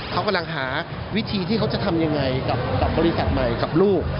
เขากำลังหาวิธีที่เขาจะทำยังไงกับบริษัทใหม่กับลูก